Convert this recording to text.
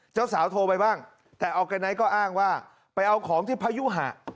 เจ้าสาวโทรไปบ้างแต่ออร์แกไนท์ก็อ้างว่าไปเอาของที่พยุหะ